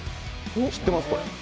知ってますか、これ。